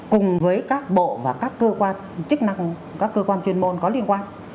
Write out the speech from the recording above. cùng với các bộ và các cơ quan chức năng các cơ quan chuyên môn có liên quan